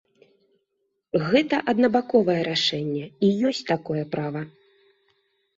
Гэта аднабаковае рашэнне, і ёсць такое права.